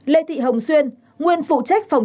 năm lê thị hồng xuyên nguyên phụ trưởng